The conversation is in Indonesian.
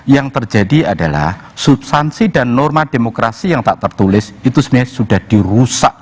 yang terjadi adalah substansi dan norma demokrasi yang tak tertulis itu sebenarnya sudah dirusak